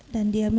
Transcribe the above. saya tidak mau